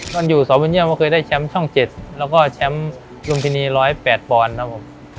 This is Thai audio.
ตอนอยู่สวบริเยี่ยมเคยได้แชมป์ช่องเจ็ดแล้วก็แชมป์ลุยภินีร้อยแปดปอนด์นะครับผม